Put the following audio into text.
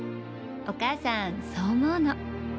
お母さんそう思うの